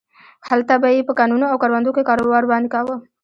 هلته به یې په کانونو او کروندو کې کار ورباندې کاوه.